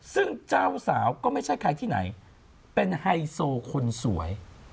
ซึ่งเจ้าสาวก็ไม่ใช่ใครที่ไหนเป็นไฮโซคนสวย